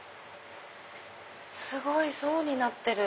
すごい層になってる。